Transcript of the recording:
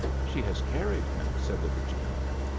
"She has carried him," said the Virginian.